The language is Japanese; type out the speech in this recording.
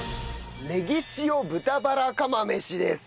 ネギ塩豚バラ釜飯です。